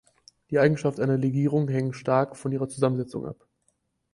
Die Eigenschaften einer Legierung hängen stark von ihrer Zusammensetzung ab.